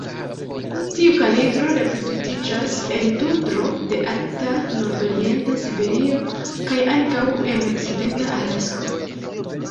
Tiu kalidro reproduktiĝas en tundro de arkta nordorienta Siberio kaj ankaŭ en okcidenta Alasko.